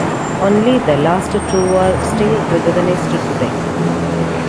Only the last two are still recognized today.